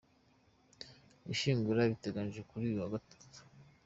Gushyingura biteganijwe kuri uyu wa Gatatu.